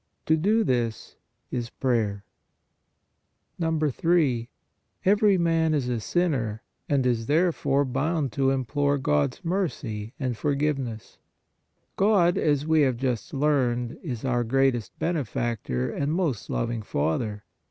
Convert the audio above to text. To do this is prayer. III. EVERY MAN Is A SINNER AND Is, THERE FORE, BOUND TO IMPLORE GOD S MERCY AND FOR GIVENESS. God, as we have just learned, is our greatest Benefactor and most loving Father.